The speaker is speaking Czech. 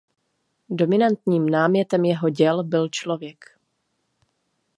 Dominantním námětem jeho děl byl člověk.